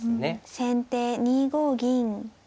先手２五銀。